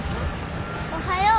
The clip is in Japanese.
おはよう。